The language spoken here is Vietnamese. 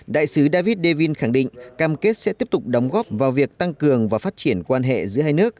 đại sứ david daevin khẳng định cam kết sẽ tiếp tục đóng góp vào việc tăng cường và phát triển quan hệ giữa hai nước